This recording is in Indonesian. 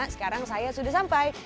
sekarang saya sudah sampai